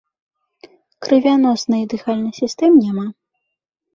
Крывяноснай і дыхальнай сістэм няма.